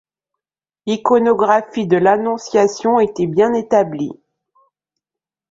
L'iconographie de l'Annonciation était bien établie.